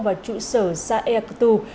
và trụ sở xã yà tiêu